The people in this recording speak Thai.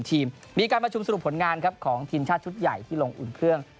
ทีมชาติชุดใหญ่ที่ลงอุ่นเครื่อง